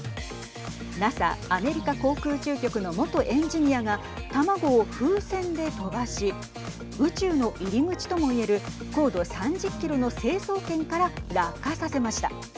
ＮＡＳＡ＝アメリカ航空宇宙局の元エンジニアが卵を風船で飛ばし宇宙の入り口とも言える高度３０キロの成層圏から落下させました。